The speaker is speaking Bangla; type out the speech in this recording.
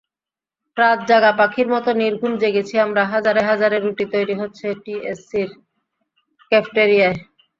রাতজাগা পাখির মতো নির্ঘুম জেগেছি আমরা, হাজারে হাজারে রুটি তৈরি হচ্ছে টিএসসির ক্যাফেটেরিয়ায়।